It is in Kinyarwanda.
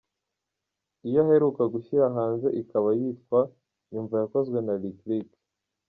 Iyo aheruka gushyira hanze ikaba yitwa Nyumva yakozwe na Lick Lick.